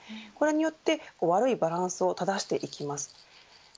これによって悪いバランスを正していきます。